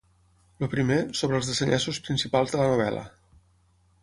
El primer, sobre els desenllaços principals de la novel·la.